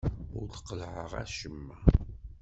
Ur d-qellɛeɣ acemma.